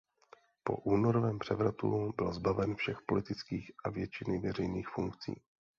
Po únorovém převratu byl zbaven všech politických a většiny veřejných funkcí.